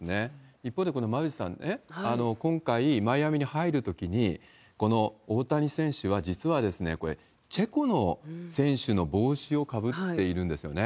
一方で、馬渕さん、今回、マイアミに入るときに、大谷選手は、実はこれ、チェコの選手の帽子をかぶっているんですよね。